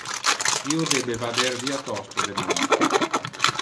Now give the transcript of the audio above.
Io debe vader via tosto deman.